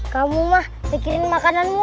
kamu mah pikirin makananmu